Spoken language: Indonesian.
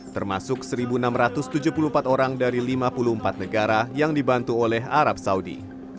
termasuk satu enam ratus tujuh puluh empat orang dari lima puluh empat negara yang dibantu oleh arab saudi